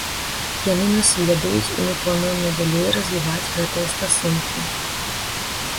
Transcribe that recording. Яны нас ведаюць і мы плануем надалей развіваць гэтыя стасункі.